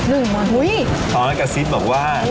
พอแล้วกับซิฟบอกว่า